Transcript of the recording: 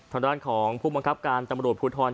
ทางด้านของผู้บังคับการตำรวจภูทร